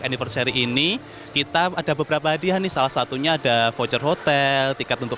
anniversary ini kita ada beberapa hadiah nih salah satunya ada voucher hotel tiket untuk